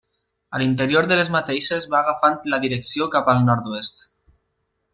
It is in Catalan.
A l'interior de les mateixes va agafant la direcció cap al nord-oest.